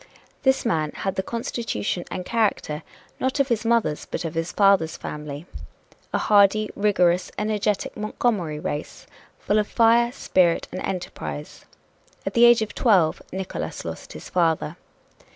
This man had the constitution and character, not of his mother's, but of his father's family a hardy, rigorous, energetic Montgomery race, full of fire, spirit and enterprise. At the age of twelve Nickolas lost his father.